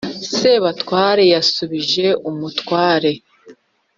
sebatware yashubije umutware